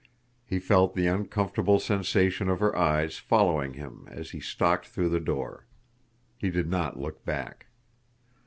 He felt the uncomfortable sensation of her eyes following him as he stalked through the door. He did not look back.